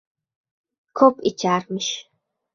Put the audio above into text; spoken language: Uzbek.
— Ko‘p icharmish?